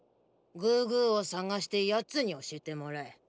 グーグーを捜して奴に教えてもらえ。